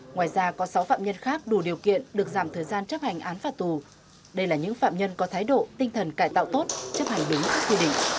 ngoài ra có sáu phạm nhân khác đủ điều kiện được giảm thời gian chấp hành án phạt tù